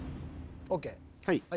ＯＫ！